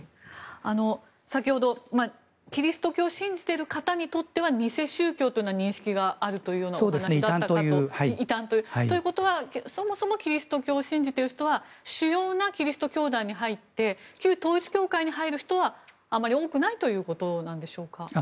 先ほど、キリスト教を信じる方にとっては偽宗教という認識があるというお話で異端と。ということは、そもそもキリスト教を信じている人は主要なキリスト教団に入って旧統一教会に入る人はあまり多くないということですか？